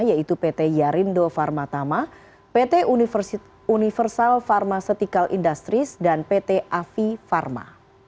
yaitu pt yarindo pharma tama pt universal pharmaceutical industries dan pt avi pharma